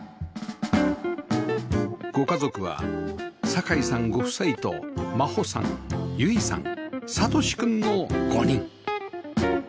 ご家族は酒井さんご夫妻と真秀さん結衣さん理志君の５人